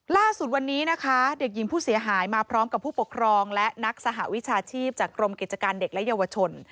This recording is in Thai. ล่าสุดวันนี้นะคะเด็กหญิงผู้เสียหายมาพร้อมกับผู้ปกครองและนักสหวิชาชีพจากกรมกิจการเด็กและเยาวชน